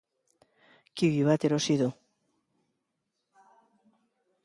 Kiwi bat erosi du.